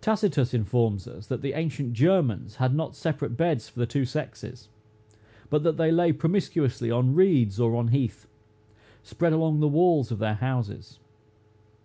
Tacitus informs us that the ancient Germans had not separate beds for the two sexes, but that they lay promiscuously on reeds or on heath, spread along the walls of their houses.